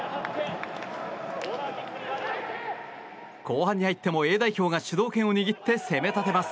後半に入ってもＡ代表が主導権を握って攻め立てます。